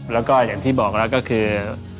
แล้วก็อย่างที่บอกแล้วก็คือ